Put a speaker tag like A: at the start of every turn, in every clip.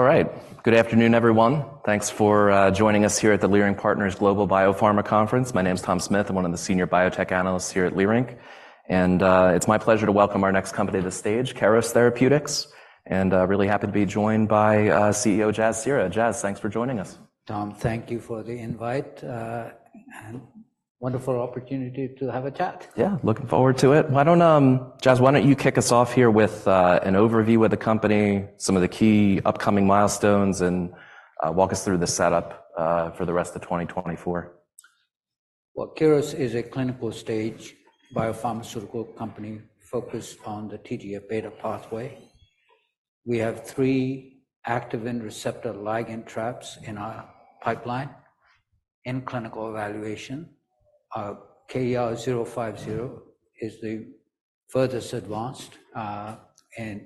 A: All right, good afternoon, everyone. Thanks for joining us here at the Leerink Partners Global Biopharma Conference. My name's Tom Smith, I'm one of the senior biotech analysts here at Leerink, and it's my pleasure to welcome our next company to the stage, Keros Therapeutics, and really happy to be joined by CEO Jasbir Seehra. Jaz, thanks for joining us.
B: Tom, thank you for the invite, and wonderful opportunity to have a chat.
A: Yeah, looking forward to it. Why don't, Jas, you kick us off here with an overview of the company, some of the key upcoming milestones, and walk us through the setup for the rest of 2024?
B: Well, Keros is a clinical-stage biopharmaceutical company focused on the TGF beta pathway. We have three activin receptor ligand traps in our pipeline in clinical evaluation. KER-050 is the furthest advanced, and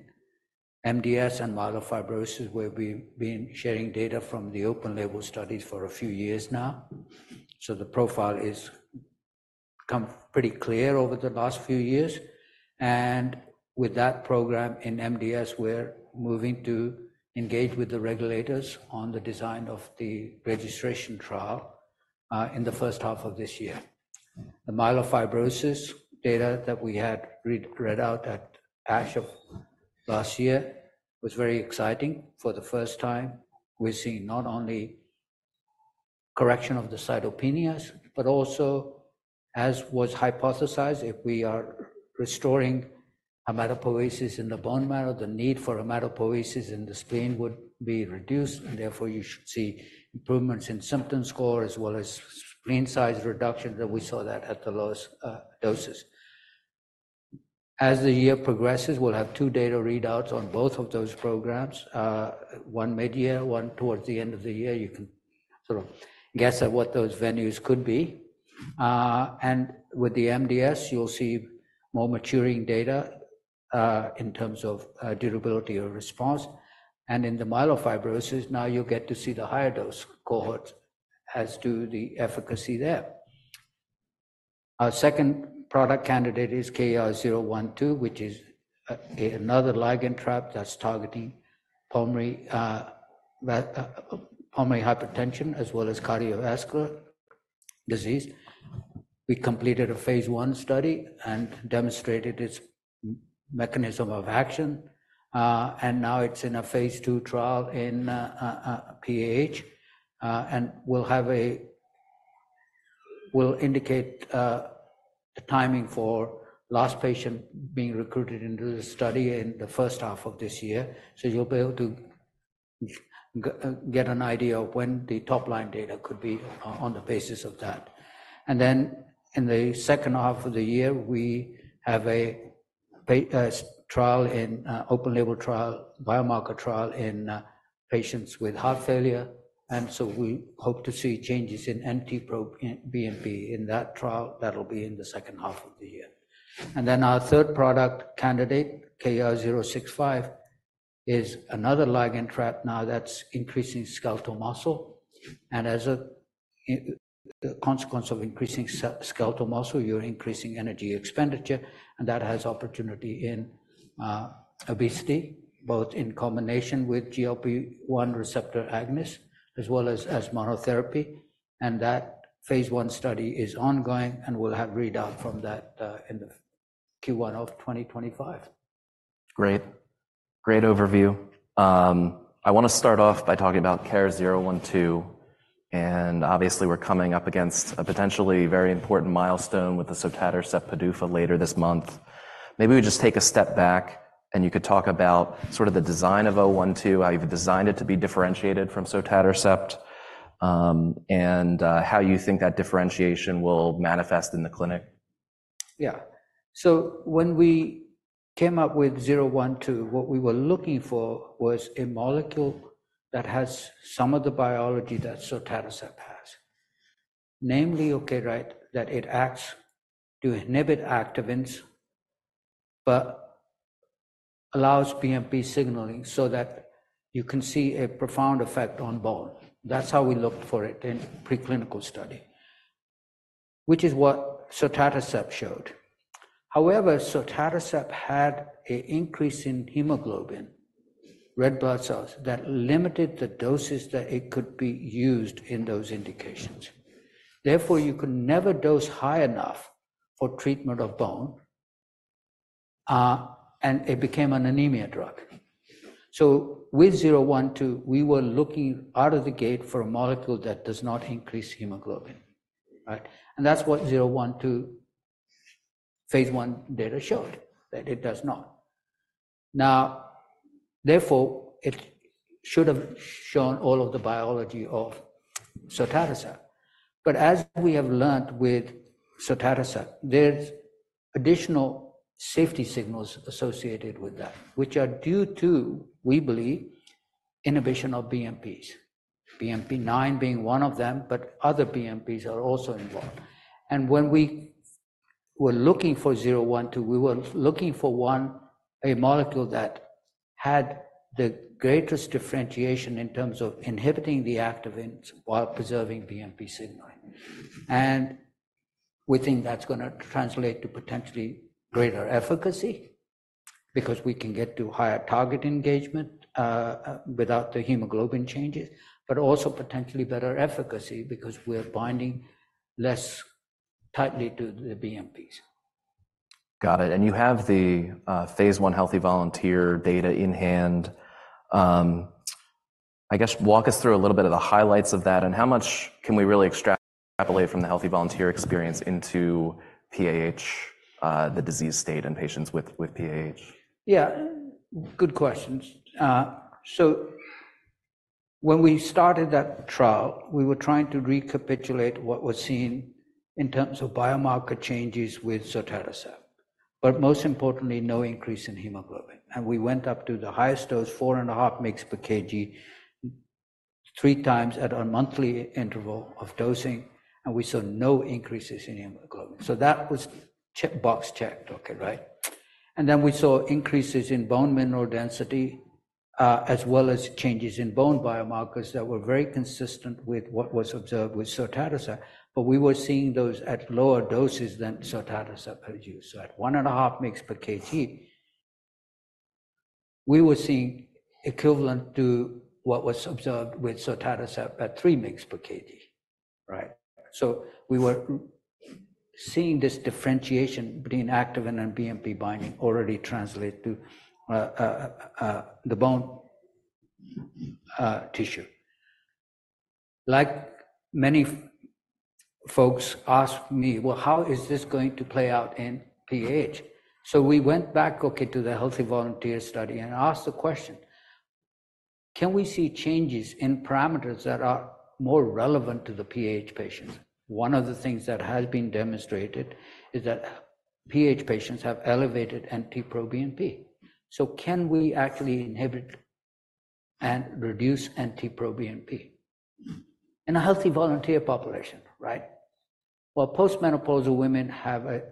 B: MDS and myelofibrosis we've been sharing data from the open-label studies for a few years now, so the profile has become pretty clear over the last few years. And with that program in MDS, we're moving to engage with the regulators on the design of the registration trial, in the first half of this year. The myelofibrosis data that we had read out at ASH of last year was very exciting. For the first time, we're seeing not only correction of the cytopenias, but also, as was hypothesized, if we are restoring hematopoiesis in the bone marrow, the need for hematopoiesis in the spleen would be reduced, and therefore you should see improvements in symptom score as well as spleen size reduction, and we saw that at the lowest doses. As the year progresses, we'll have two data readouts on both of those programs, one mid-year, one towards the end of the year. You can sort of guess at what those venues could be. And with the MDS, you'll see more maturing data, in terms of, durability of response. And in the myelofibrosis, now you'll get to see the higher-dose cohorts as to the efficacy there. Our second product candidate is KER-012, which is, another ligand trap that's targeting pulmonary, pulmonary hypertension as well as cardiovascular disease. We completed a phase I study and demonstrated its mechanism of action, and now it's in a phase II trial in PAH, and we'll indicate the timing for last patient being recruited into the study in the first half of this year, so you'll be able to get an idea of when the top-line data could be on the basis of that. And then in the second half of the year, we have a trial, open-label trial, biomarker trial in patients with heart failure, and so we hope to see changes in NT-proBNP in that trial that'll be in the second half of the year. And then our third product candidate, KER-065, is another ligand trap now that's increasing skeletal muscle. As a consequence of increasing skeletal muscle, you're increasing energy expenditure, and that has opportunity in obesity, both in combination with GLP-1 receptor agonists as well as as monotherapy. That phase I study is ongoing, and we'll have readouts from that in the Q1 of 2025.
A: Great. Great overview. I want to start off by talking about KER-012, and obviously we're coming up against a potentially very important milestone with the sotatercept PDUFA later this month. Maybe we just take a step back, and you could talk about sort of the design of 012, how you've designed it to be differentiated from sotatercept, and how you think that differentiation will manifest in the clinic.
B: Yeah. So when we came up with 012, what we were looking for was a molecule that has some of the biology that sotatercept has, namely, okay, right, that it acts to inhibit activins but allows BNP signaling so that you can see a profound effect on bone. That's how we looked for it in preclinical study, which is what sotatercept showed. However, sotatercept had an increase in hemoglobin, red blood cells, that limited the doses that it could be used in those indications. Therefore, you could never dose high enough for treatment of bone, and it became an anemia drug. So with 012, we were looking out of the gate for a molecule that does not increase hemoglobin, right? And that's what 012 phase I data showed, that it does not. Now, therefore, it should have shown all of the biology of sotatercept. As we have learned with sotatercept, there's additional safety signals associated with that, which are due to, we believe, inhibition of BMPs, BMP-9 being one of them, but other BMPs are also involved. When we were looking for 012, we were looking for a molecule that had the greatest differentiation in terms of inhibiting the activins while preserving BMP signaling. We think that's going to translate to potentially greater efficacy because we can get to higher target engagement, without the hemoglobin changes, but also potentially better efficacy because we're binding less tightly to the BMPs.
A: Got it. You have the phase I healthy volunteer data in hand. I guess walk us through a little bit of the highlights of that, and how much can we really extrapolate from the healthy volunteer experience into PAH, the disease state in patients with PAH?
B: Yeah, good questions. So when we started that trial, we were trying to recapitulate what was seen in terms of biomarker changes with sotatercept, but most importantly, no increase in hemoglobin. And we went up to the highest dose, 4.5 mg/kg, three times at a monthly interval of dosing, and we saw no increases in hemoglobin. So that was checkbox checked, okay, right? And then we saw increases in bone mineral density, as well as changes in bone biomarkers that were very consistent with what was observed with sotatercept, but we were seeing those at lower doses than sotatercept produced. So at 1.5 mg/kg, we were seeing equivalent to what was observed with sotatercept at 3 mg/kg, right? So we were seeing this differentiation between activin and BMP binding already translate to the bone tissue. Like many folks ask me, well, how is this going to play out in PAH? So we went back, okay, to the Healthy Volunteer study and asked the question, can we see changes in parameters that are more relevant to the PAH patients? One of the things that has been demonstrated is that PAH patients have elevated NT-proBNP. So can we actually inhibit and reduce NT-proBNP in a Healthy Volunteer population, right? Well, postmenopausal women have an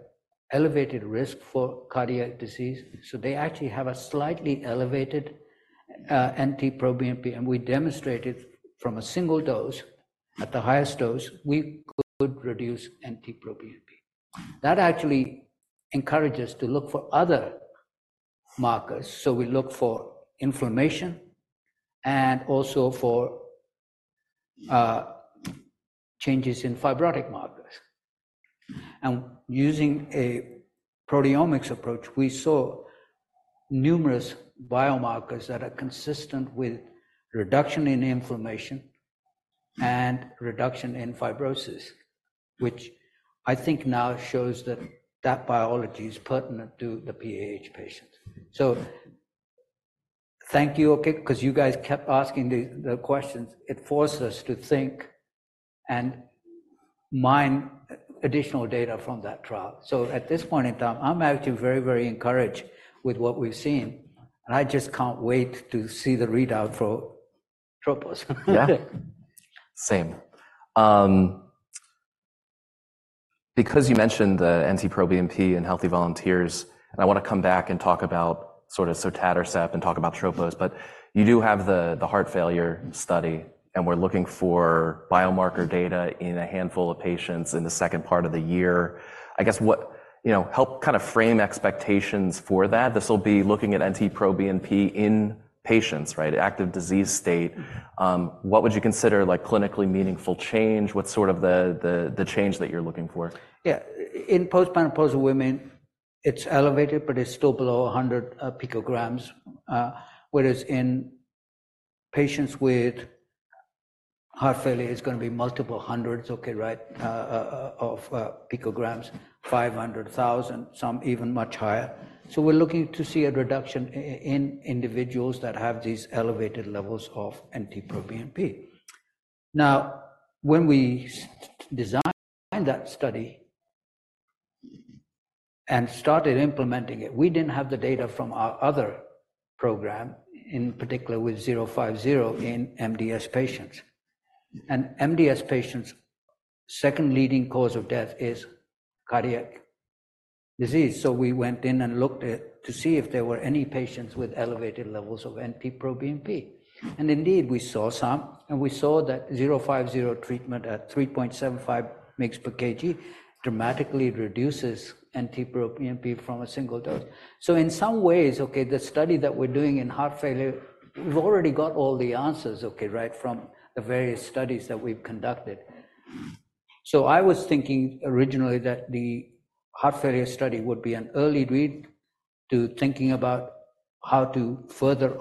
B: elevated risk for cardiac disease, so they actually have a slightly elevated NT-proBNP, and we demonstrated from a single dose, at the highest dose, we could reduce NT-proBNP. That actually encourages us to look for other markers, so we look for inflammation and also for changes in fibrotic markers. Using a proteomics approach, we saw numerous biomarkers that are consistent with reduction in inflammation and reduction in fibrosis, which I think now shows that that biology is pertinent to the PAH patients. Thank you, okay, because you guys kept asking the questions. It forced us to think and mine additional data from that trial. At this point in time, I'm actually very, very encouraged with what we've seen, and I just can't wait to see the readout for TROPOS.
A: Yeah. Same. Because you mentioned the NT-proBNP in healthy volunteers, and I want to come back and talk about sort of sotatercept and talk about TROPOS, but you do have the heart failure study, and we're looking for biomarker data in a handful of patients in the second part of the year. I guess what, you know, help kind of frame expectations for that? This will be looking at NT-proBNP in patients, right, active disease state. What would you consider, like, clinically meaningful change? What's sort of the change that you're looking for?
B: Yeah. In postmenopausal women, it's elevated, but it's still below 100 pg/mL, whereas in patients with heart failure, it's going to be multiple hundreds, okay, right, of pg/mL, 500,000, some even much higher. So we're looking to see a reduction in individuals that have these elevated levels of NT-proBNP. Now, when we designed that study and started implementing it, we didn't have the data from our other program, in particular with 050 in MDS patients. And MDS patients, second leading cause of death is cardiac disease, so we went in and looked at to see if there were any patients with elevated levels of NT-proBNP. And indeed, we saw some, and we saw that 050 treatment at 3.75 mg per kg dramatically reduces NT-proBNP from a single dose. So in some ways, okay, the study that we're doing in heart failure, we've already got all the answers, okay, right, from the various studies that we've conducted. So I was thinking originally that the heart failure study would be an early read to thinking about how to further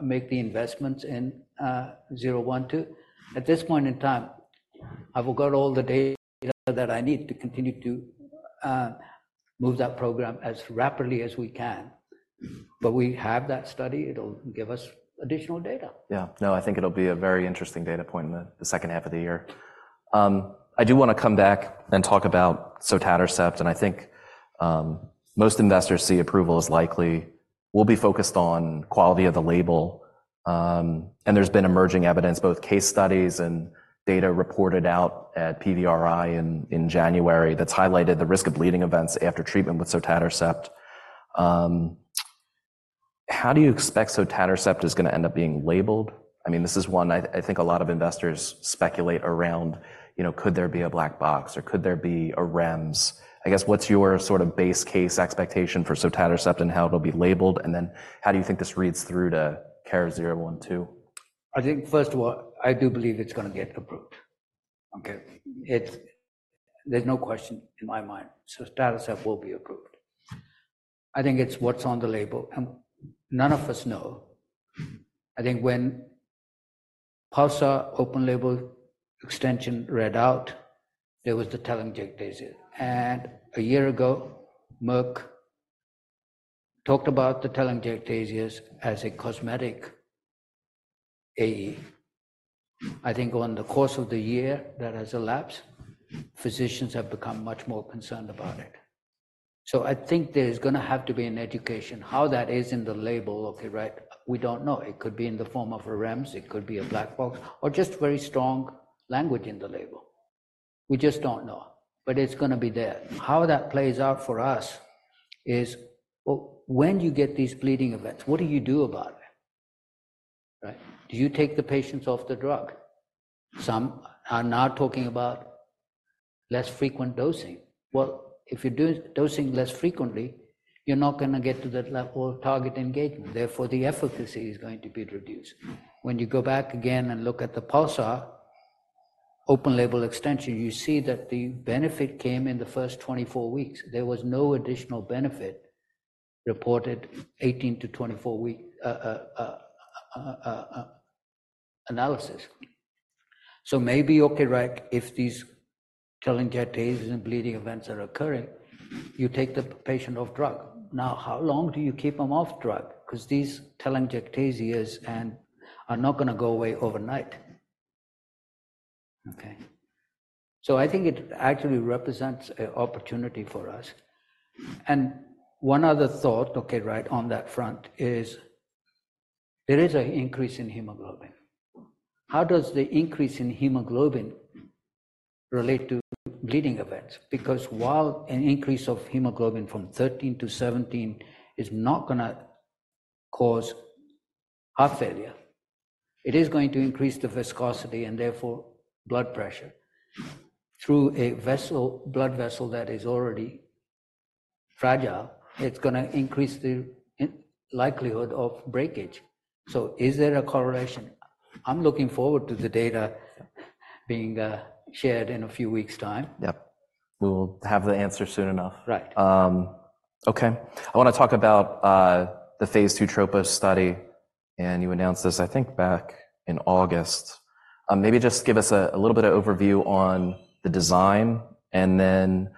B: make the investments in 012. At this point in time, I've got all the data that I need to continue to move that program as rapidly as we can, but we have that study. It'll give us additional data.
A: Yeah. No, I think it'll be a very interesting data point in the second half of the year. I do want to come back and talk about sotatercept, and I think, most investors see approval as likely. We'll be focused on quality of the label. And there's been emerging evidence, both case studies and data reported out at PVRI in January that's highlighted the risk of bleeding events after treatment with sotatercept. How do you expect sotatercept is going to end up being labeled? I mean, this is one I think a lot of investors speculate around, you know, could there be a black box, or could there be a REMS? I guess what's your sort of base case expectation for sotatercept and how it'll be labeled, and then how do you think this reads through to KER-012?
B: I think, first of all, I do believe it's going to get approved, okay? There's no question in my mind. Sotatercept will be approved. I think it's what's on the label, and none of us know. I think when PULSAR open-label extension read out, there was the telangiectasias. And a year ago, Merck talked about the telangiectasias as a cosmetic AE. I think in the course of the year that has elapsed, physicians have become much more concerned about it. So I think there's going to have to be an education, how that is in the label, okay, right? We don't know. It could be in the form of a REMS. It could be a black box or just very strong language in the label. We just don't know, but it's going to be there. How that plays out for us is, well, when you get these bleeding events, what do you do about it, right? Do you take the patients off the drug? Some are now talking about less frequent dosing. Well, if you're dosing less frequently, you're not going to get to that level of target engagement. Therefore, the efficacy is going to be reduced. When you go back again and look at the PULSAR open-label extension, you see that the benefit came in the first 24 weeks. There was no additional benefit reported 18-24 weeks analysis. So maybe, okay, right, if these telangiectasias and bleeding events are occurring, you take the patient off drug. Now, how long do you keep them off drug? Because these telangiectasias are not going to go away overnight, okay? So I think it actually represents an opportunity for us. One other thought, okay, right, on that front is there is an increase in hemoglobin. How does the increase in hemoglobin relate to bleeding events? Because while an increase of hemoglobin from 13 to 17 is not going to cause heart failure, it is going to increase the viscosity and therefore blood pressure. Through a blood vessel that is already fragile, it's going to increase the likelihood of breakage. So is there a correlation? I'm looking forward to the data being shared in a few weeks' time.
A: Yep. We'll have the answer soon enough.
B: Right.
A: Okay. I want to talk about the Phase II TROPOS study, and you announced this, I think, back in August. Maybe just give us a little bit of overview on the design, and then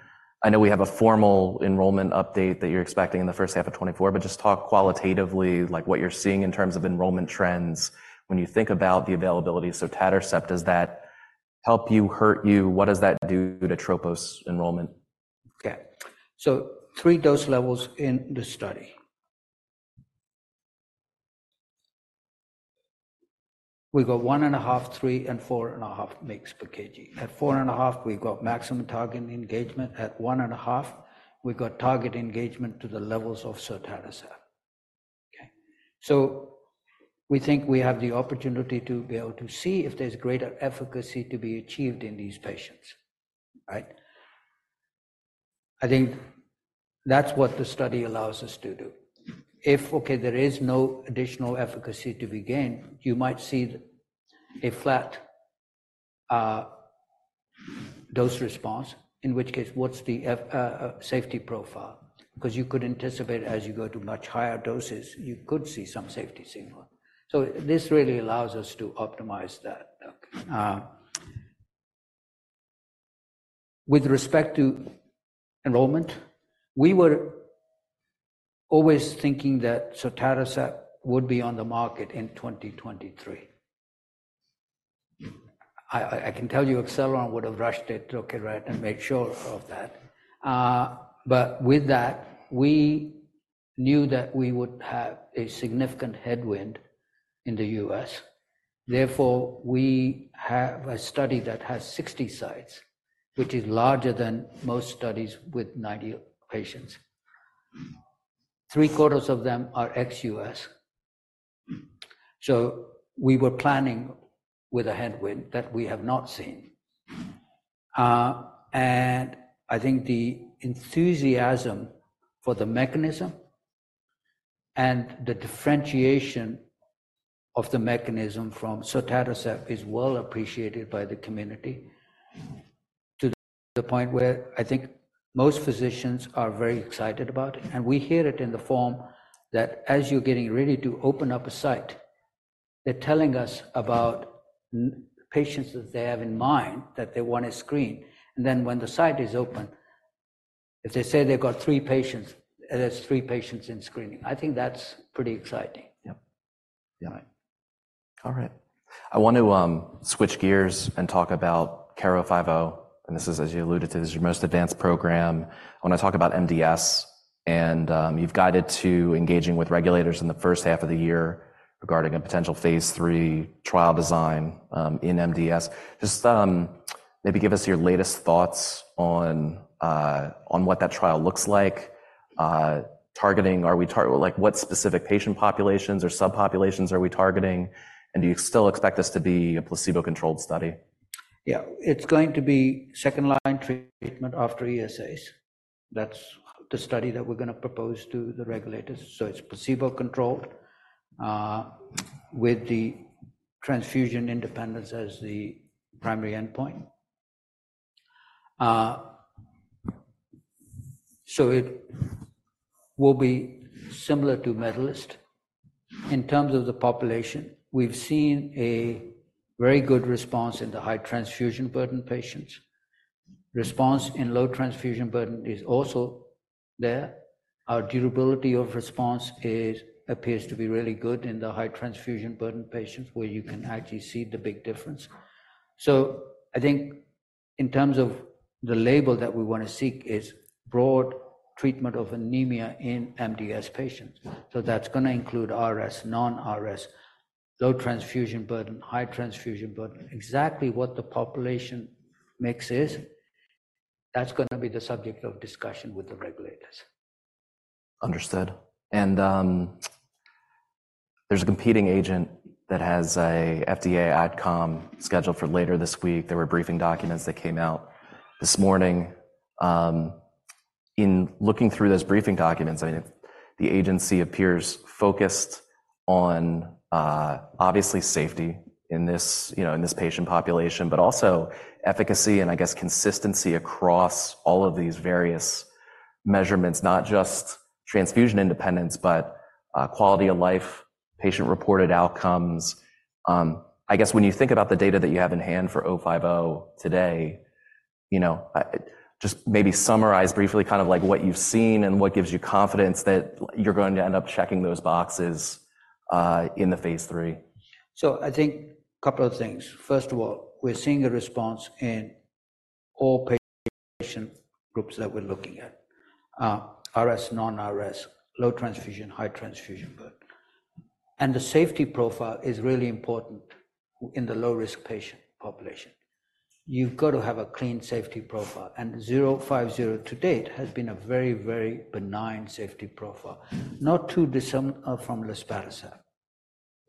A: I know we have a formal enrollment update that you're expecting in the first half of 2024, but just talk qualitatively, like, what you're seeing in terms of enrollment trends when you think about the availability. Sotatercept, does that help you, hurt you? What does that do to TROPOS enrollment?
B: Okay. So 3 dose levels in the study. We got 1.5, 3, and 4.5 mg per kg. At 4.5, we got maximum target engagement. At 1.5, we got target engagement to the levels of sotatercept, okay? So we think we have the opportunity to be able to see if there's greater efficacy to be achieved in these patients, right? I think that's what the study allows us to do. If, okay, there is no additional efficacy to be gained, you might see a flat dose response, in which case, what's the safety profile? Because you could anticipate, as you go to much higher doses, you could see some safety signal. So this really allows us to optimize that, okay? With respect to enrollment, we were always thinking that sotatercept would be on the market in 2023. I can tell you Acceleron would have rushed it, okay, right, and made sure of that. But with that, we knew that we would have a significant headwind in the U.S. Therefore, we have a study that has 60 sites, which is larger than most studies with 90 patients. Three-quarters of them are ex-U.S. So we were planning with a headwind that we have not seen. And I think the enthusiasm for the mechanism and the differentiation of the mechanism from sotatercept is well appreciated by the community to the point where I think most physicians are very excited about it. We hear it in the form that as you're getting ready to open up a site, they're telling us about patients that they have in mind that they want to screen, and then when the site is open, if they say they've got three patients, there's three patients in screening. I think that's pretty exciting.
A: Yep. Yeah. All right. I want to switch gears and talk about KER-050, and this is, as you alluded to, this is your most advanced program. I want to talk about MDS, and you've guided to engaging with regulators in the first half of the year regarding a potential phase III trial design in MDS. Just maybe give us your latest thoughts on what that trial looks like. Are we targeting, like, what specific patient populations or subpopulations are we targeting, and do you still expect this to be a placebo-controlled study?
B: Yeah. It's going to be second-line treatment after ESAs. That's the study that we're going to propose to the regulators. So it will be placebo-controlled with the transfusion independence as the primary endpoint. So it will be similar to MEDALIST. In terms of the population, we've seen a very good response in the high transfusion burden patients. Response in low transfusion burden is also there. Our durability of response appears to be really good in the high transfusion burden patients, where you can actually see the big difference. So I think in terms of the label that we want to seek is broad treatment of anemia in MDS patients. So that's going to include RS, non-RS, low transfusion burden, high transfusion burden. Exactly what the population mix is, that's going to be the subject of discussion with the regulators.
A: Understood. There's a competing agent that has an FDA AdCom scheduled for later this week. There were briefing documents that came out this morning. In looking through those briefing documents, I mean, the agency appears focused on, obviously, safety in this patient population, but also efficacy and, I guess, consistency across all of these various measurements, not just transfusion independence, but quality of life, patient-reported outcomes. I guess when you think about the data that you have in hand for 050 today, you know, just maybe summarize briefly kind of like what you've seen and what gives you confidence that you're going to end up checking those boxes in the phase III.
B: So I think a couple of things. First of all, we're seeing a response in all patient groups that we're looking at, RS, non-RS, low transfusion, high transfusion burden. And the safety profile is really important in the low-risk patient population. You've got to have a clean safety profile, and 050 to date has been a very, very benign safety profile, not too dissimilar from luspatercept,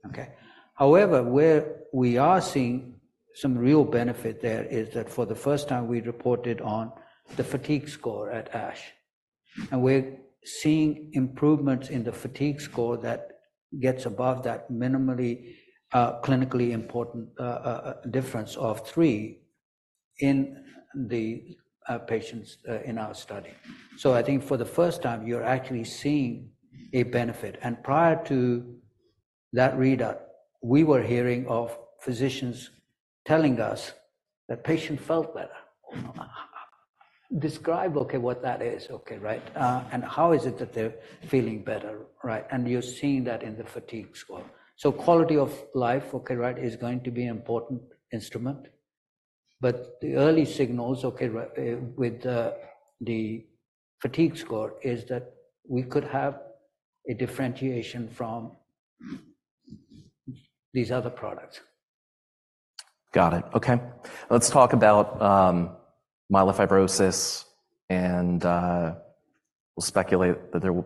B: okay? However, where we are seeing some real benefit there is that for the first time, we reported on the fatigue score at ASH, and we're seeing improvements in the fatigue score that gets above that minimally clinically important difference of three in the patients in our study. So I think for the first time, you're actually seeing a benefit. And prior to that readout, we were hearing of physicians telling us that patients felt better. Describe, okay, what that is, okay, right? How is it that they're feeling better, right? You're seeing that in the fatigue score. Quality of life, okay, right, is going to be an important instrument. The early signals, okay, with the fatigue score is that we could have a differentiation from these other products.
A: Got it. Okay. Let's talk about myelofibrosis, and we'll speculate that there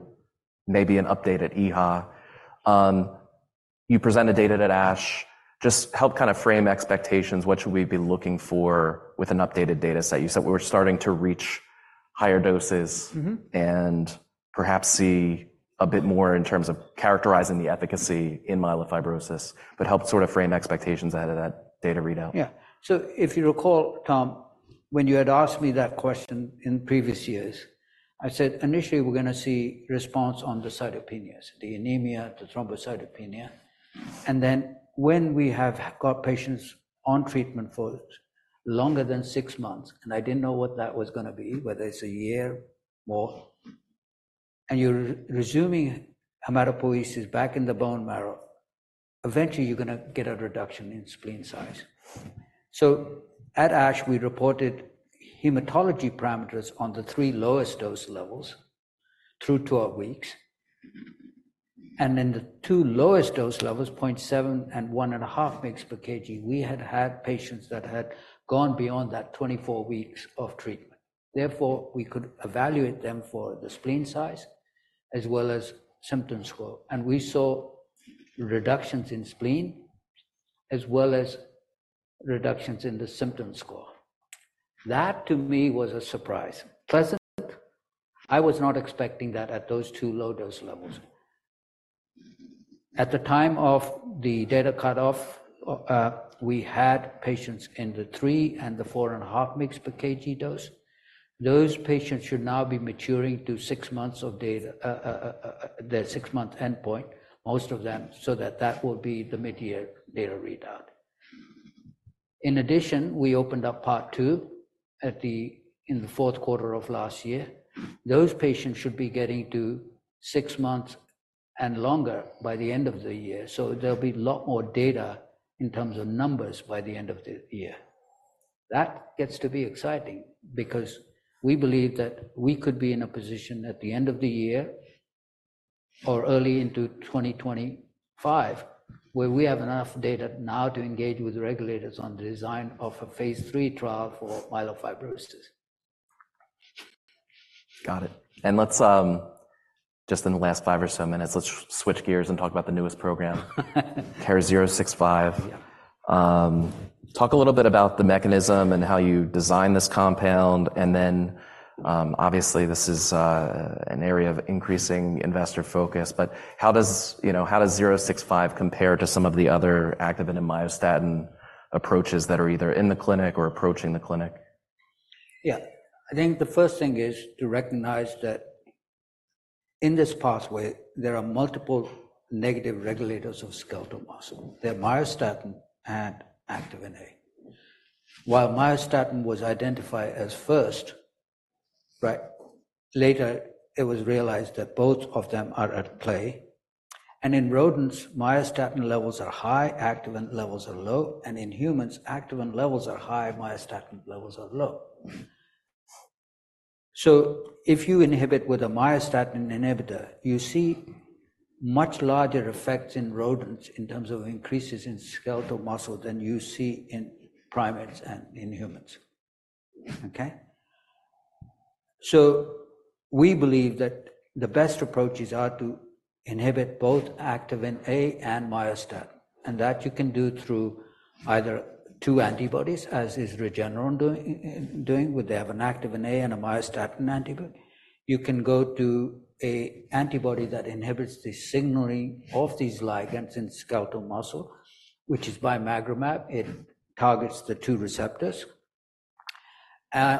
A: may be an update at EHA. You presented data at ASH. Just help kind of frame expectations. What should we be looking for with an updated data set? You said we were starting to reach higher doses and perhaps see a bit more in terms of characterizing the efficacy in myelofibrosis, but help sort of frame expectations ahead of that data readout.
B: Yeah. So if you recall, Tom, when you had asked me that question in previous years, I said, "Initially, we're going to see response on the cytopenias, the anemia, the thrombocytopenia." And then when we have got patients on treatment for longer than 6 months, and I didn't know what that was going to be, whether it's a year or more, and you're resuming hematopoiesis back in the bone marrow, eventually, you're going to get a reduction in spleen size. So at ASH, we reported hematology parameters on the 3 lowest dose levels through 12 weeks. And in the 2 lowest dose levels, 0.7 and 1.5 mg per kg, we had had patients that had gone beyond that 24 weeks of treatment. Therefore, we could evaluate them for the spleen size as well as symptom score. And we saw reductions in spleen as well as reductions in the symptom score. That, to me, was a surprise, pleasant. I was not expecting that at those 2 low-dose levels. At the time of the data cutoff, we had patients in the 3 and the 4.5 mg per kg dose. Those patients should now be maturing to 6 months of data, their 6-month endpoint, most of them, so that that will be the mid-year data readout. In addition, we opened up Part 2 in the fourth quarter of last year. Those patients should be getting to 6 months and longer by the end of the year. So there'll be a lot more data in terms of numbers by the end of the year. That gets to be exciting because we believe that we could be in a position at the end of the year or early into 2025 where we have enough data now to engage with regulators on the design of a phase III trial for myelofibrosis.
A: Got it. And just in the last five or so minutes, let's switch gears and talk about the newest program, KER-065. Talk a little bit about the mechanism and how you design this compound. And then, obviously, this is an area of increasing investor focus, but how does 065 compare to some of the other activin and myostatin approaches that are either in the clinic or approaching the clinic?
B: Yeah. I think the first thing is to recognize that in this pathway, there are multiple negative regulators of skeletal muscle. They're myostatin and activin A. While myostatin was identified as first, right, later, it was realized that both of them are at play. In rodents, myostatin levels are high, activin levels are low, and in humans, activin levels are high, myostatin levels are low. So if you inhibit with a myostatin inhibitor, you see much larger effects in rodents in terms of increases in skeletal muscle than you see in primates and in humans, okay? So we believe that the best approaches are to inhibit both activin A and myostatin, and that you can do through either two antibodies, as is Regeneron doing, where they have an activin A and a myostatin antibody. You can go to an antibody that inhibits the signaling of these ligands in skeletal muscle, which is bimagrumab. It targets the two receptors.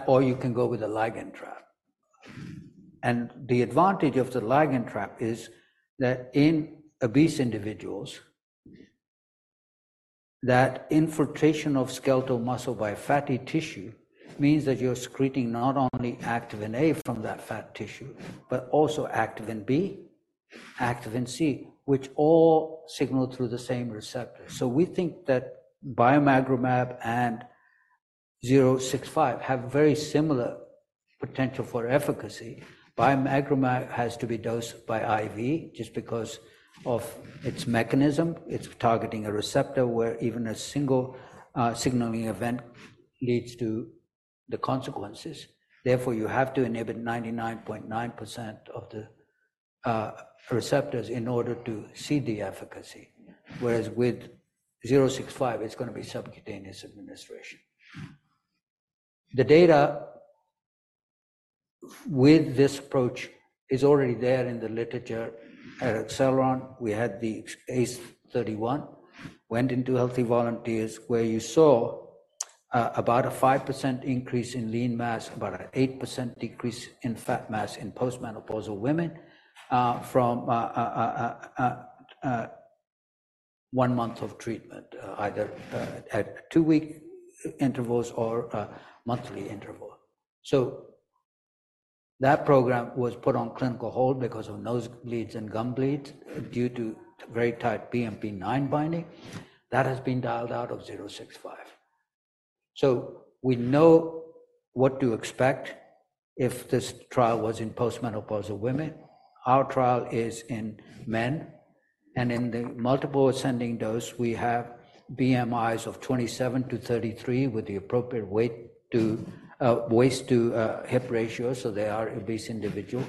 B: Or you can go with a ligand trap. And the advantage of the ligand trap is that in obese individuals, that infiltration of skeletal muscle by fatty tissue means that you're secreting not only activin A from that fat tissue but also activin B, activin C, which all signal through the same receptors. So we think that bimagrumab and 065 have very similar potential for efficacy. Bimagrumab has to be dosed by IV just because of its mechanism. It's targeting a receptor where even a single signaling event leads to the consequences. Therefore, you have to inhibit 99.9% of the receptors in order to see the efficacy, whereas with 065, it's going to be subcutaneous administration. The data with this approach is already there in the literature at Acceleron. We had the ACE-031, went into healthy volunteers, where you saw about a 5% increase in lean mass, about an 8% decrease in fat mass in postmenopausal women from one month of treatment, either at two-week intervals or a monthly interval. That program was put on clinical hold because of nosebleeds and gum bleeds due to very tight BMP9 binding. That has been dialed out of 065. We know what to expect if this trial was in postmenopausal women. Our trial is in men. In the multiple ascending dose, we have BMIs of 27-33 with the appropriate waist-to-hip ratio, so they are obese individuals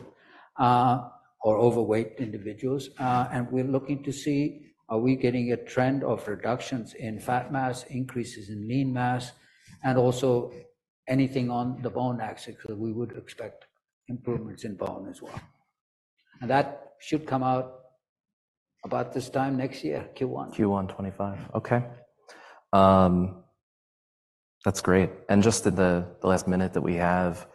B: or overweight individuals. We're looking to see, are we getting a trend of reductions in fat mass, increases in lean mass, and also anything on the bone axis because we would expect improvements in bone as well. That should come out about this time next year, Q1.
A: Q1 2025. Okay. That's great. And just in the last minute that we have,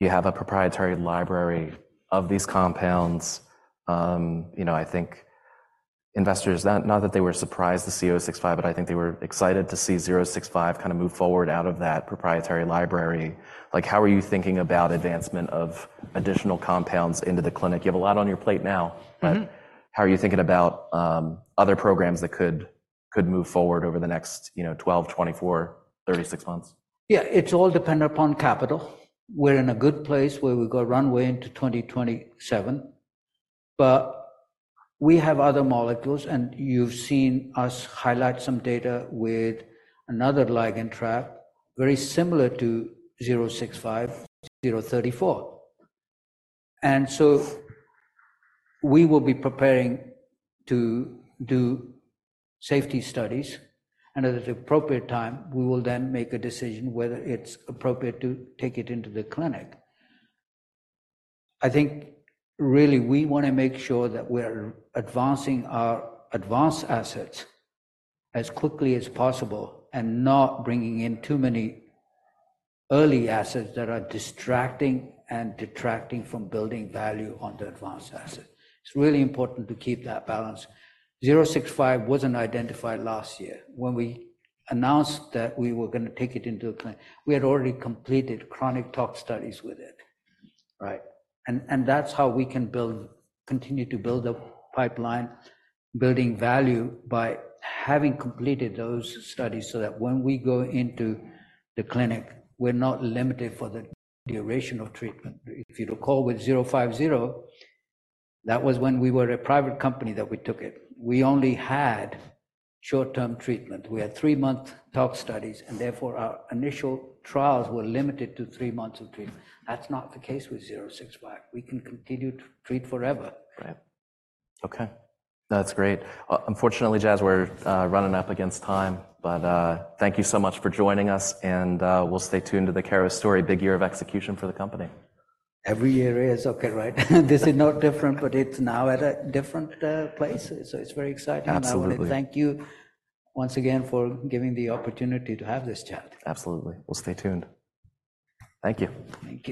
A: you have a proprietary library of these compounds. I think investors, not that they were surprised to see 065, but I think they were excited to see 065 kind of move forward out of that proprietary library. How are you thinking about advancement of additional compounds into the clinic? You have a lot on your plate now, but how are you thinking about other programs that could move forward over the next 12, 24, 36 months?
B: Yeah. It's all dependent upon capital. We're in a good place where we got runway into 2027. But we have other molecules, and you've seen us highlight some data with another ligand trap very similar to 065, 034. And so we will be preparing to do safety studies. And at the appropriate time, we will then make a decision whether it's appropriate to take it into the clinic. I think, really, we want to make sure that we're advancing our advanced assets as quickly as possible and not bringing in too many early assets that are distracting and detracting from building value on the advanced asset. It's really important to keep that balance. 065 wasn't identified last year. When we announced that we were going to take it into the clinic, we had already completed chronic tox studies with it, right? That's how we can continue to build a pipeline, building value by having completed those studies so that when we go into the clinic, we're not limited for the duration of treatment. If you recall, with 050, that was when we were a private company that we took it. We only had short-term treatment. We had three-month tox studies, and therefore, our initial trials were limited to three months of treatment. That's not the case with 065. We can continue to treat forever.
A: Right. Okay. That's great. Unfortunately, Jaz, we're running up against time, but thank you so much for joining us, and we'll stay tuned to the Keros story. Big year of execution for the company.
B: Every year is okay, right? This is not different, but it's now at a different place. So it's very exciting.
A: Absolutely.
B: I want to thank you once again for giving the opportunity to have this chat.
A: Absolutely. We'll stay tuned. Thank you.
B: Thank you.